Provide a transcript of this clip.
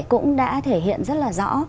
cũng đã thể hiện rất là rõ